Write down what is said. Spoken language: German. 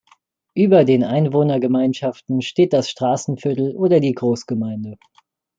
Über den Einwohnergemeinschaften steht das Straßenviertel oder die Großgemeinde.